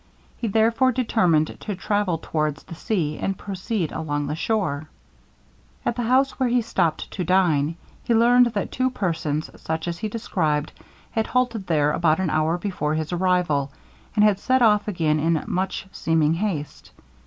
He therefore determined to travel towards the sea and proceed along the shore. At the house where he stopped to dine, he learned that two persons, such as he described, had halted there about an hour before his arrival, and had set off again in much seeming haste.